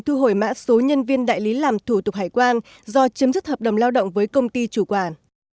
thu hồi mã số nhân viên đại lý làm thủ tục hải quan do chấm dứt hợp đồng lao động với công ty chủ quản